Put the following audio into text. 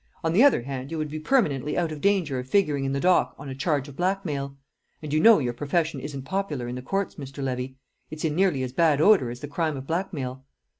"On the other hand, you would be permanently out of danger of figuring in the dock on a charge of blackmail. And you know your profession isn't popular in the courts, Mr. Levy; it's in nearly as bad odour as the crime of blackmail!"